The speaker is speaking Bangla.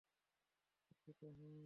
দুঃখিত, হুম।